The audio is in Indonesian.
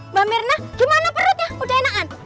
mbak mirna gimana perutnya udah enakan